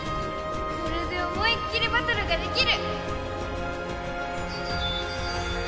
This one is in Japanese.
これで思いっきりバトルができる！